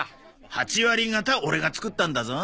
八割方オレが作ったんだぞ。